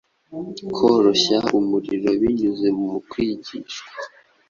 koroshya umurimo binyuze mu kwigishwa